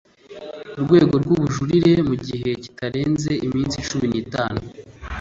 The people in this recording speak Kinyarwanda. urwego rw ubujurire mu gihe kitarenze iminsi cumi n itanu